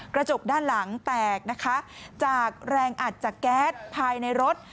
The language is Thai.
กระจกด้านหลังแตกนะคะจากแรงอัดจากแก๊สภายในรถ